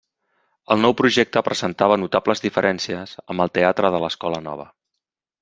El nou projecte presentava notables diferències amb el Teatre de l’Escola Nova.